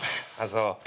そう。